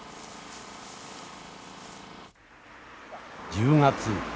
１０月。